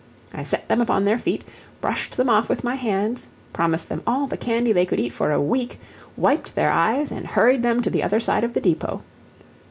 I set them upon their feet, brushed them off with my hands, promised them all the candy they could eat for a week, wiped their eyes, and hurried them to the other side of the depot.